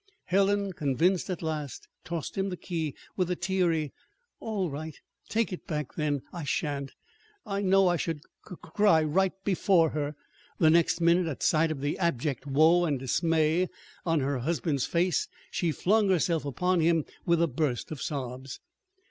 Helen, convinced at last, tossed him the key, with a teary "All right take it back then. I shan't! I know I should c cry right before her!" The next minute, at sight of the abject woe and dismay on her husband's face, she flung herself upon him with a burst of sobs.